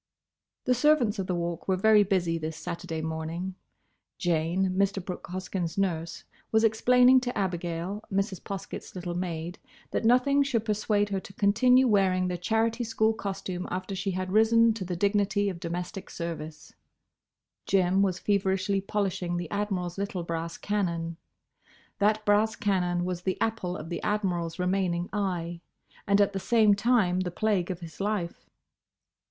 The servants of the Walk were very busy this Saturday morning. Jane, Mr. Brooke Hoskyn's nurse, was explaining to Abigail, Mrs. Poskett's little maid, that nothing should persuade her to continue wearing the Charity School costume after she had risen to the dignity of domestic service. Jim was feverishly polishing the Admiral's little brass cannon. That brass cannon was the apple of the Admiral's remaining eye; and at the same time the plague of his life.